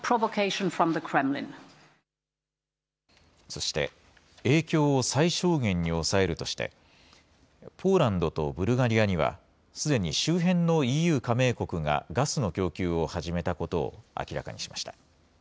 そして影響を最小限に抑えるとしてポーランドとブルガリアにはすでに周辺のＥＵ加盟国がガスの供給を始めたことを明らかにしました。